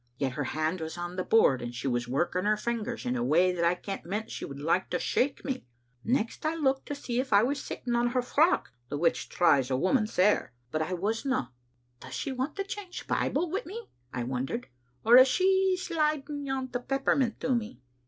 Yet her hand was on the board, and she was working her fingers in a way that I kent meant she would like to shake me. Next I looked to see if I was sitting on her frock, the which tries a woman sair, but I wasna. *Does she want to change Bibles wi' me?* I wondered; *or is she sliding yont a peppermint to me?